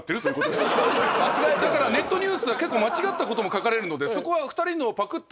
だからネットニュースは結構間違ったことも書かれるのでそこは。